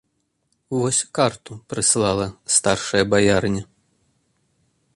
Вось карту прыслала старшая баярыня.